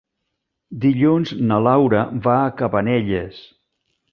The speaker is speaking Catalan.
Dilluns na Laura va a Cabanelles.